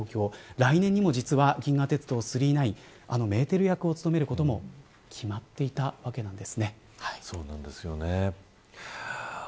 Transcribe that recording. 来年にも実は、銀河鉄道９９９あのメーテル役を務めることも決まっていたわけなんです。